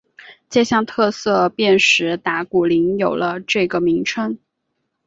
这项特色便使打鼓岭有了这个名称。